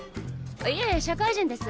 いえ社会人です。